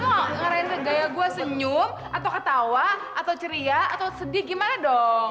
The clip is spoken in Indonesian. lo gak ngereset gaya gue senyum atau ketawa atau ceria atau sedih gimana dong